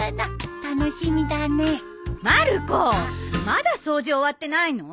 まだ掃除終わってないの？